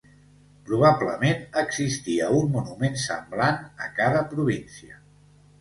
Probablement existia un monument semblant a cada província.